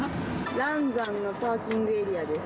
嵐山のパーキングエリアです。